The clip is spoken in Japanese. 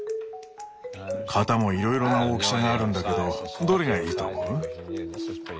型もいろいろな大きさがあるんだけどどれがいいと思う？